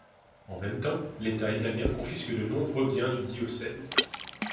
En même temps, l'État italien confisque de nombreux biens du diocèse.